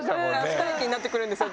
２駅になってくるんですよ